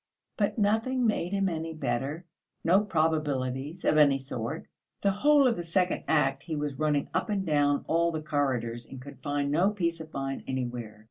But nothing made him any better, no probabilities of any sort. The whole of the second act he was running up and down all the corridors and could find no peace of mind anywhere.